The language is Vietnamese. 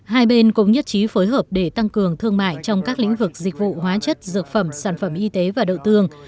hai bên cũng nhất trí phối hợp để tăng cường thương mại trong các lĩnh vực dịch vụ hóa chất dược phẩm sản phẩm y tế và đậu tương